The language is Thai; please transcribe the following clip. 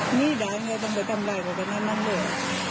หนีดาดไงต้องไปทำอะไรกับกันนั้นเลย